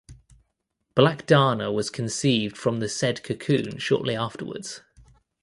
Black Darna was conceived from the said cocoon shortly afterwards.